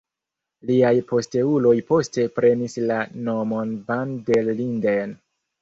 Liaj posteuloj poste prenis la nomon van der Linden.